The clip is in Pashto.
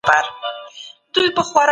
خصوصي سکتور د سوداګرۍ د پراختیا لامل سو.